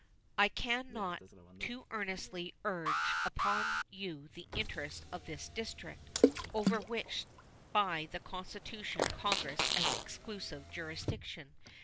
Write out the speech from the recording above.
I can not too earnestly urge upon you the interests of this District, over which by the Constitution Congress has exclusive jurisdiction.